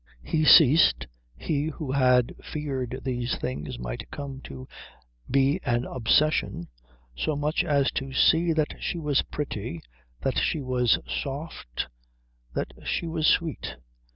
He ceased, he who had feared these things might come to be an obsession, so much as to see that she was pretty, that she was soft, that she was sweet.